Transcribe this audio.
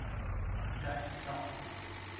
一粒